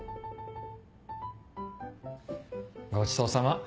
ごちそうさま。